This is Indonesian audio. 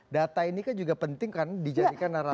data ini kan juga penting kan dijadikan narasi